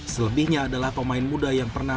selebihnya adalah pemain muda yang pernah